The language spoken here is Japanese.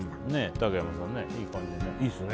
竹山さん、いい感じですね。